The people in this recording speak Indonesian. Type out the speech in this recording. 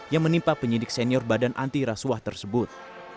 yang menimpa penyidik senior badan anti rasuah tersebut